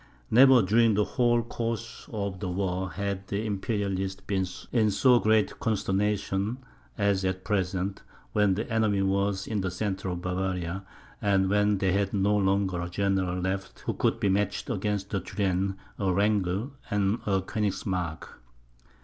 Never, during the whole course of the war, had the Imperialists been in so great consternation as at present, when the enemy were in the centre of Bavaria, and when they had no longer a general left who could be matched against a Turenne, a Wrangel, and a Koenigsmark.